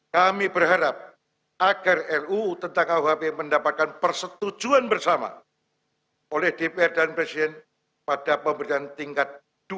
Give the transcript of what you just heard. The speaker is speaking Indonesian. kami berharap agar ruu tentang kuhp mendapatkan persetujuan bersama oleh dpr dan presiden pada pemerintahan tingkat dua